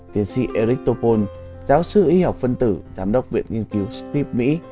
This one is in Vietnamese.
tiến sĩ eric topol giáo sư y học phân tử giám đốc viện nghiên cứu scripps mỹ